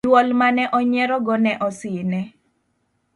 dwol mane onyierogo ne osine